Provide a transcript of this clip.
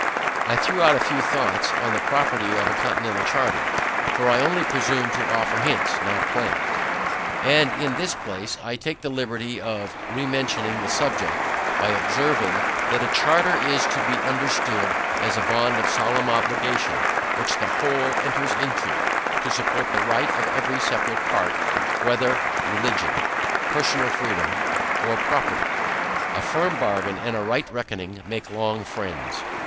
In page [III par 47], I threw out a few thoughts on the propriety of a Continental Charter, (for I only presume to offer hints, not plans) and in this place, I take the liberty of rementioning the subject, by observing, that a charter is to be understood as a bond of solemn obligation, which the whole enters into, to support the right of every separate part, whether or religion, personal freedom, or property. A firm bargain and a right reckoning make long friends.